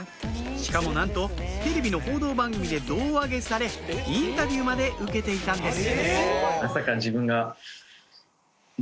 しかもなんとテレビの報道番組で胴上げされインタビューまで受けていたんです